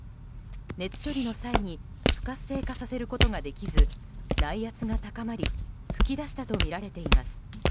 熱処理の際に不活性化させることができず内圧が高まり噴き出したとみられています。